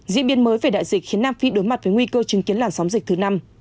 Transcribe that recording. diễn biến mới về đại dịch khiến nam phi đối mặt với nguy cơ chứng kiến làn sóng dịch thứ năm